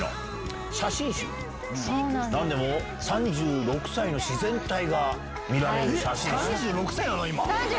何でも３６歳の自然体が見られる。